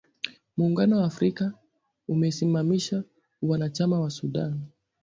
Muungano wa Afrika umesimamisha uanachama wa Sudan.